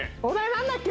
何だっけ？